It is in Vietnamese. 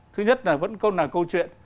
thứ nhất là vẫn còn là câu chuyện